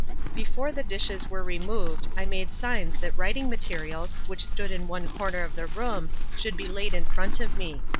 Before the dishes were removed I made signs that writing materials, which stood in one corner of the room, should be laid in front of me.